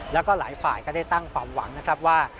แล้วก็หลายฝ่ายก็ได้ตั้งความหวังนะครับว่า